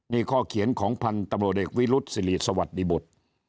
นี่ข้อเขียนของพันธุ์ตำรวจเอกวิรุษศิริสวัสดีบุตร